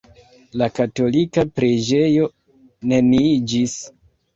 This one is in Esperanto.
La katolika preĝejo neniiĝis.